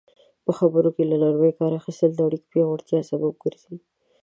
په خبرو کې له نرمي کار اخیستل د اړیکو پیاوړتیا سبب ګرځي.